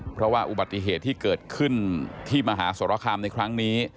เพราะว่าอุบัติเหตุที่เกิดขึ้นที่มหาสรคามในครั้งนี้